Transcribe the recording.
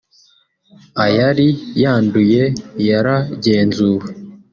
Ayari yanduye yaragenzuwe